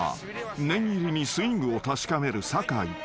［念入りにスイングを確かめる酒井］